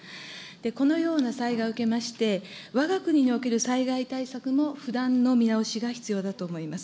このような災害を受けまして、わが国における災害対策も不断の見直しが必要だと思います。